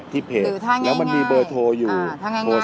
ที่เพจแล้วมันมีเบอร์โทรอยู่โทรสั่งได้